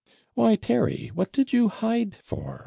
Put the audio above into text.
'Why, Terry, what did you hide for?'